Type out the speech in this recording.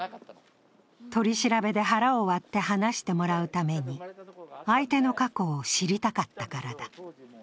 取り調べで腹を割って話してもらうために相手の過去を知りたかったからだ。